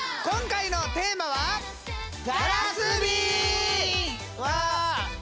今回のテーマはうわ！